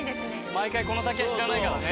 毎回この先は知らないからね。